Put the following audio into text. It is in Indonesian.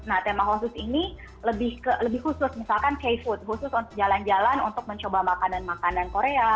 nah tema khusus ini lebih khusus misalkan k food khusus untuk jalan jalan untuk mencoba makanan makanan korea